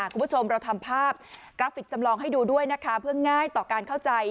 คุณผู้ชมเราทำภาพกราฟิกจำลองให้ดูด้วยนะคะเพื่อง่ายต่อการเข้าใจ